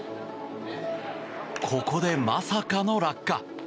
ここで、まさかの落下。